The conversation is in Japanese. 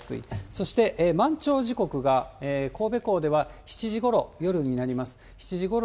そして満潮時刻が、神戸港では７時ごろ、夜になります、７時ごろ、